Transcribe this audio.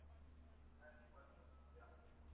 Estar en guardia, Raven.